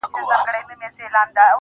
پر تندي يې شنه خالونه زما بدن خوري.